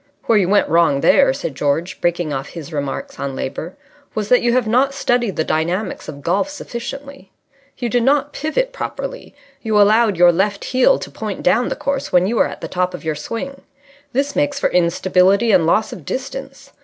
"Where you went wrong there," said George, breaking off his remarks on Labour, "was that you have not studied the dynamics of golf sufficiently. You did not pivot properly. You allowed your left heel to point down the course when you were at the top of your swing. This makes for instability and loss of distance.